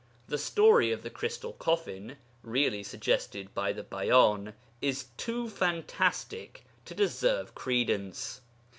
The story of the crystal coffin (really suggested by the Bayan) is too fantastic to deserve credence.